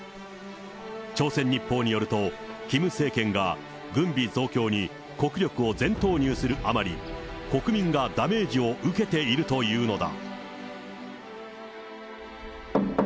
朝鮮日報によると、キム政権が軍備増強に国力を全投入するあまり、国民がダメージを受けているというのだ。